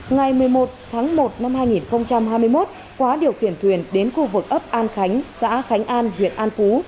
ngày một mươi một tháng một năm hai nghìn hai mươi một quá điều khiển thuyền đến khu vực ấp an khánh xã khánh an huyện an phú